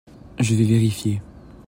Je vais vérifier.